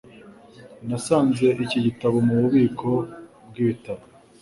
Nasanze iki gitabo mububiko bwibitabo.